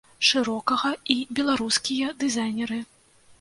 Шырокага і беларускія дызайнеры.